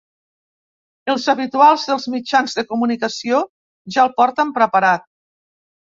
Els habituals dels mitjans de comunicació ja el porten preparat.